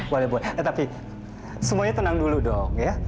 boleh bu tapi semuanya tenang dulu dong ya